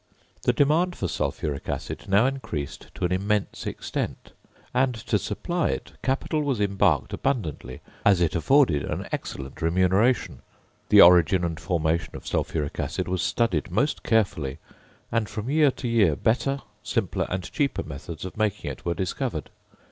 The demand for sulphuric acid now increased to an immense extent; and, to supply it, capital was embarked abundantly, as it afforded an excellent remuneration. The origin and formation of sulphuric acid was studied most carefully; and from year to year, better, simpler, and cheaper methods of making it were discovered.